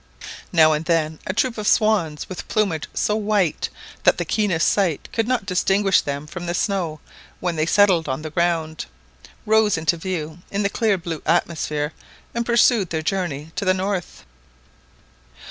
Now and then a troop of swans, with plumage so white that the keenest sight could not distinguish them from the snow when they settled on the ground, rose into view in the clear blue atmosphere and pursued their journey to the north.